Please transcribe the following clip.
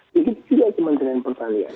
jadi itu juga kemantuan pertanian